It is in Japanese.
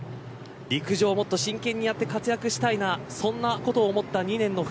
陸上をもっと真剣にやって活躍したいなそんなことを思った２年の冬。